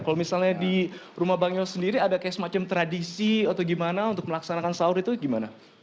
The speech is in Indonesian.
kalau misalnya di rumah bang yos sendiri ada kayak semacam tradisi atau gimana untuk melaksanakan sahur itu gimana